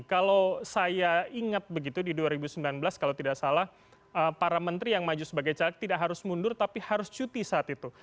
kalau saya ingat begitu di dua ribu sembilan belas kalau tidak salah para menteri yang maju sebagai caleg tidak harus mundur tapi harus cuti saat itu